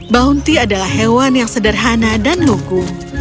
bounty adalah hewan yang sederhana dan luku